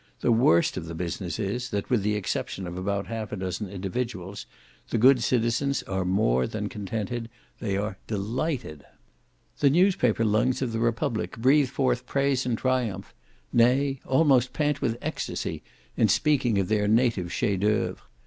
The worst of the business is, that with the exception of about half a dozen individuals, the good citizens are more than contented, they are delighted. The newspaper lungs of the Republic breathe forth praise and triumph, may, almost pant with extacy in speaking of their native chef d'oeuvres.